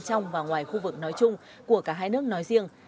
trong và ngoài khu vực nói chung của cả hai nước nói riêng